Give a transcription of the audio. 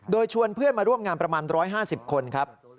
โดยชวนเพื่อนมาร่วมงานประมาณ๑๕๐คนครับ